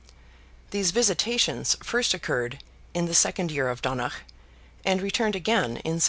These visitations first occurred in the second year of Donogh, and returned again in 783.